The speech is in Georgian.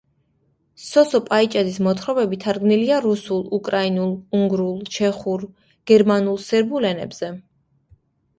სოსო პაიჭაძის მოთხრობები თარგმნილია რუსულ, უკრაინულ, უნგრულ, ჩეხურ, გერმანულ, სერბულ ენებზე.